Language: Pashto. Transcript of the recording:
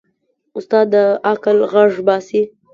استاد د عقل غږ باسي.